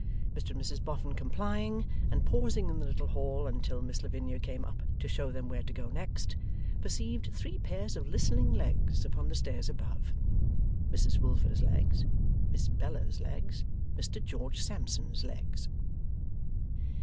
Mr and Mrs Boffin complying, and pausing in the little hall until Miss Lavinia came up to show them where to go next, perceived three pairs of listening legs upon the stairs above. Mrs Wilfer's legs, Miss Bella's legs, Mr George Sampson's legs.